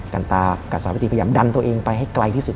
กันตากับสาวิตรีพยายามดันตัวเองไปให้ไกลที่สุด